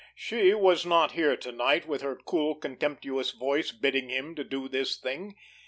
She was not here to night with her cool, contemptuous voice bidding him to do this thing.